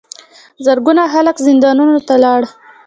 زرګونه خلک زندانونو ته لاړل.